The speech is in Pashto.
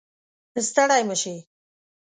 ستړی مشې